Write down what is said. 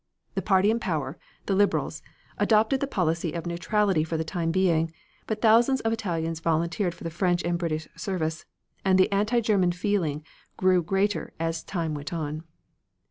The party in power, the Liberals, adopted the policy of neutrality for the time being, but thousands of Italians volunteered for the French and British service, and the anti German feeling grew greater as time went on.